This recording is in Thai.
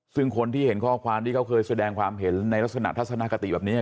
ซึ่งคนที่เห็นข้อความที่เขาเคยแสดงความเห็นในลักษณะทัศนคติแบบนี้